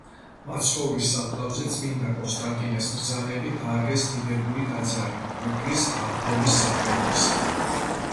მაცხოვრის საფლავზე წმინდა კონსტანტინეს ბრძანებით ააგეს დიდებული ტაძარი უფლის აღდგომის სახელობისა.